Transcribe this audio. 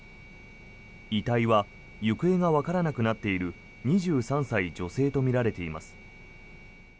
遺体は行方がわからなくなっている２３歳女性とみられています。